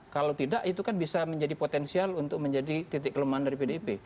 kalau tidak itu kan bisa menjadi potensial untuk menjadi titik kelemahan dari pdip